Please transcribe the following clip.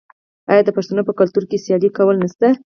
آیا د پښتنو په کلتور کې سیالي کول نشته؟